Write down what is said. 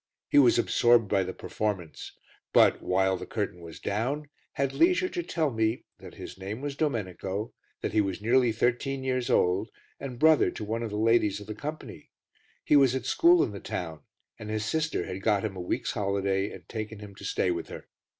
He was absorbed by the performance, but, while the curtain was down, had leisure to tell me that his name was Domenico, that he was nearly thirteen years old and brother to one of the ladies of the company; he was at school in the town and his sister had got him a week's holiday and taken him to stay with her.